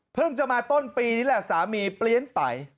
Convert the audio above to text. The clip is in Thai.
จะมาต้นปีนี่แหละสามีเปลี่ยนไป